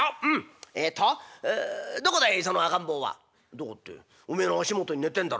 「どこっておめえの足元に寝てんだろ」。